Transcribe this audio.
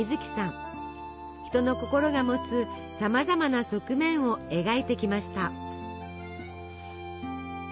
人の心が持つさまざまな側面を描いてきました。